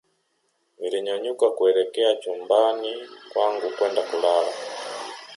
nilinyanyuka kuelekea chumbani kwangu kwenda kulala